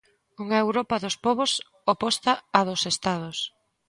Unha Europa dos pobos oposta á dos estados.